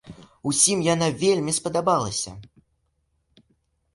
Усім яна вельмі спадабалася.